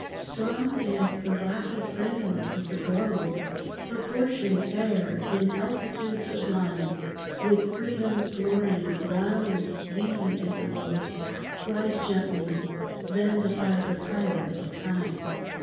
Strong as the rocky frame work of the globe, Proportioned fair, in altitude sublime, With freedom's glory round thee as a robe, Rise gently then defy the power of time.